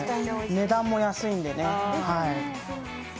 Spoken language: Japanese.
値段も安いんでね。